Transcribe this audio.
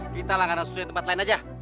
kita lah gak harus susuin tempat lain aja